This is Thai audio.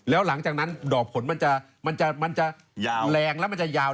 แล้วหลังจากนั้นดอกผลมันจะแรงแล้วมันจะยาว